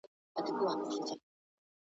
قلندر ويل تا غوښتل غيرانونه.